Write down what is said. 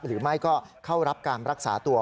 หรือไม่ก็เข้ารับการรักษาตัว